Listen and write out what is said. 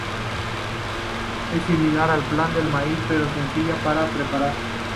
Es similar al pan de maíz, pero más sencilla para preparar.